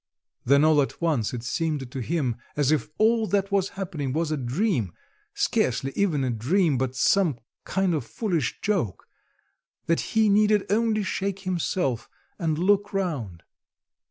Then all at once it seemed to him as if all that was happening was a dream, scarcely even a dream, but some kind of foolish joke; that he need only shake himself and look round...